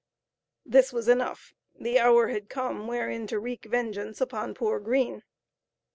This was enough the hour had come, wherein to wreak vengeance upon poor Green.